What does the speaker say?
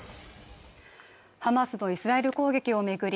ハマスとイスラエル攻撃を巡り